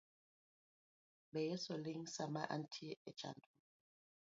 Be Yeso ling sama antiere e chandruok